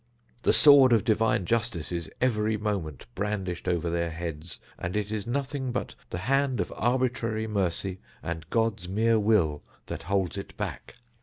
The sword of divine justice is every moment brandished over their heads, and it is nothing but the hand of arbitrary mercy, and God's mere will, that holds it back.